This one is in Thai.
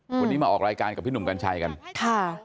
วันนี้มาออกรายการกับพี่หนุ่มกัญชัยกันค่ะ